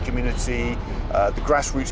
komunitas di luar tanah